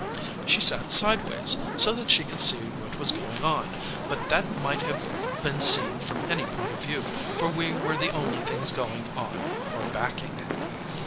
She sat sideways, so that she could see what was going on, but that might have been seen from any point of view, for we were the only things going on or backing.